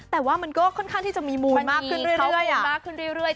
แต่ว่ามันก็ค่อนข้างที่จะมีมูลมากขึ้นเรื่อย